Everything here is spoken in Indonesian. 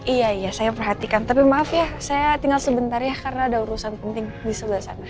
iya iya saya perhatikan tapi maaf ya saya tinggal sebentar ya karena ada urusan penting di sebelah sana